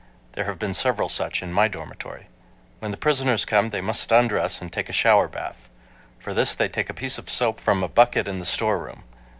There have been several such in my dormitory. When the prisoners come they must undress and take a shower bath. For this they take a piece of soap from a bucket in the store room.